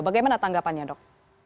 bagaimana tanggapannya dok